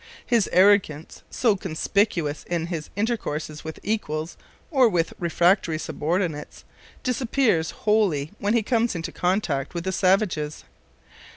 His arrogance, so conspicuous in his intercourse with equals or with refractory subordinates, disappears wholly when he comes into contact with the savages.